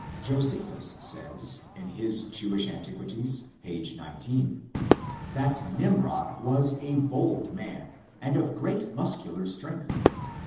Josephus says, in his Jewish Antiquities, p. 19, that Nimrod was a bold man and of great muscular strength.